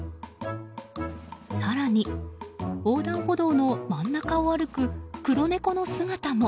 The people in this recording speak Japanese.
更に、横断歩道の真ん中を歩く黒猫の姿も。